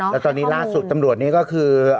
แล้วตอนนี้ล่าสุดตำรวจนี่ก็คือ